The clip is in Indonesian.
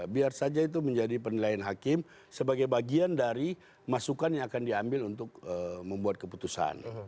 biar saja itu menjadi penilaian hakim sebagai bagian dari masukan yang akan diambil untuk membuat keputusan